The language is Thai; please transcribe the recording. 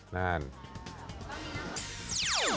แน่นอน